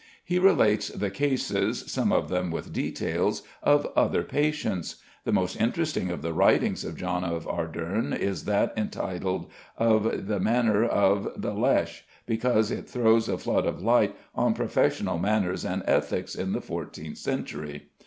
He relates the cases (some of them with details) of other patients. The most interesting of the writings of John of Arderne is that entitled "Of ye Manere of ye Leche," because it throws a flood of light on professional manners and ethics in the fourteenth century.